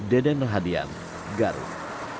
deden rahadian garut